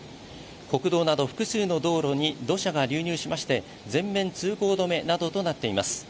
国道など複数の道路に土砂が流入しまして、全面通行止めなどになっています。